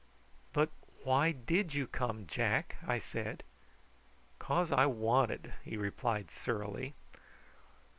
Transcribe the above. "But why did you come, Jack?" I said. "'Cause I wanted," he replied surlily.